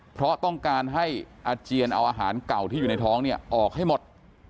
เพราะต้องการให้อาเจียนเอาอาหารเก่าที่อยู่ในท้องเนี่ยออกให้หมด